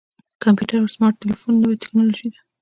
کمپیوټر او سمارټ ټلیفون نوې ټکنالوژي ده.